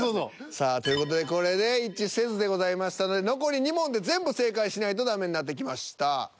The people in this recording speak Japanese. さあという事でこれで一致せずでございましたので残り２問で全部正解しないとダメになってきました。